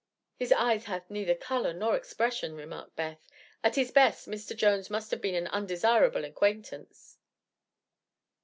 "His eyes have neither color nor expression," remarked Beth. "At his best, this Mr. Jones must have been an undesirable acquaintance."